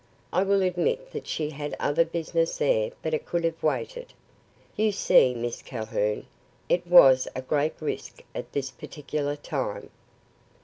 I will admit that she had other business there but it could have waited. You see, Miss Calhoun, it was a great risk at this particular time.